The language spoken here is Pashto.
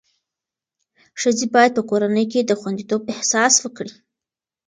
ښځې باید په کورنۍ کې د خوندیتوب احساس وکړي.